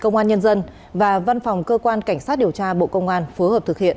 công an nhân dân và văn phòng cơ quan cảnh sát điều tra bộ công an phối hợp thực hiện